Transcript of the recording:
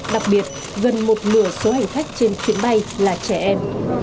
đặc biệt gần một nửa số hành khách trên chuyến bay là trẻ em